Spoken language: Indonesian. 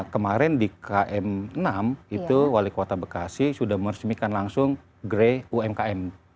kemarin di km enam itu wali kota bekasi sudah meresmikan langsung gray umkm